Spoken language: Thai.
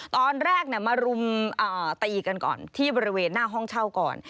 ตอนแรกมารุมตีกันก่อนที่บริเวณหน้าห้องเช่าก่อน